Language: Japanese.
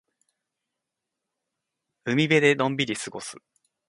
海辺でのんびり過ごす。